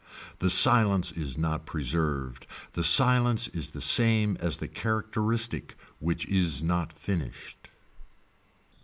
The silence that is not preserved, the silence is the same as the characteristic which is not finished.